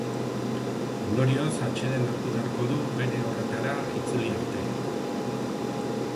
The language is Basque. Ondorioz atseden hartu beharko du bere horretara itzuli arte.